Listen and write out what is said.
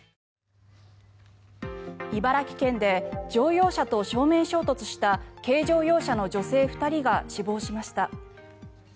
茨城県で乗用車と正面衝突した軽乗用車の女性２人が死亡しました。